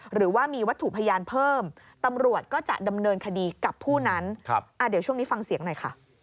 หรือว่ามีวัตถุพยานเพิ่มตำรวจก็จะดำเนินคดีกับผู้นั้น